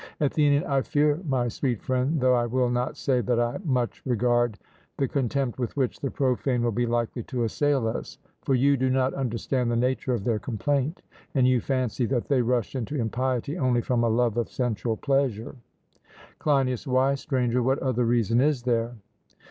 ATHENIAN: I fear, my sweet friend, though I will not say that I much regard, the contempt with which the profane will be likely to assail us. For you do not understand the nature of their complaint, and you fancy that they rush into impiety only from a love of sensual pleasure. CLEINIAS: Why, Stranger, what other reason is there?